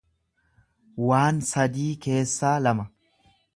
waan sadii keessaa lama.